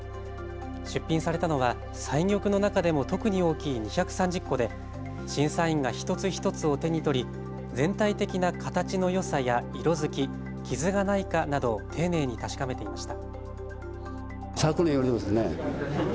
出品されたのは彩玉の中でも特に大きい２３０個で審査員が一つ一つを手に取り全体的な形のよさや色づき傷がないかなどを丁寧に確かめていました。